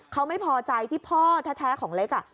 เขาไม่พอใจที่พ่อแท้ของเล็ก